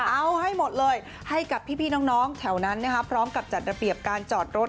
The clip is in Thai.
เอาให้หมดเลยให้กับพี่น้องแถวนั้นพร้อมกับจัดระเบียบการจอดรถ